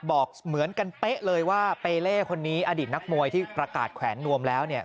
บอกเหมือนกันเป๊ะเลยว่าเปเล่คนนี้อดีตนักมวยที่ประกาศแขวนนวมแล้วเนี่ย